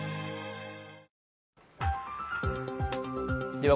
では